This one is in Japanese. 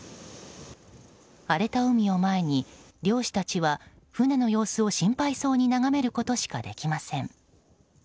荒れた海を前に漁師たちは船の様子を心配そうに眺めることしかできません。